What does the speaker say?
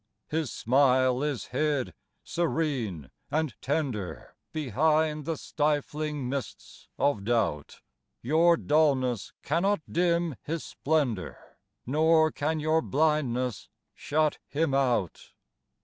His smile is hid, serene and tender, Behind the stifling mists of doubt ; Your dullness cannot dim His splendor, Nor can your blindness shut Him out.